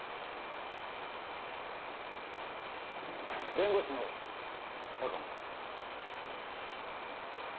弁護士の鷹野です。